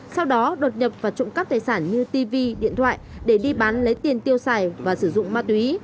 sau đó đột nhập và trộm cắp tài sản như tv điện thoại để đi bán lấy tiền tiêu xài và sử dụng ma túy